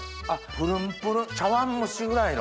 ぷるんぷるん茶わん蒸しぐらいの。